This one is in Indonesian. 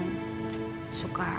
bisa berusaha untuk mencari tahu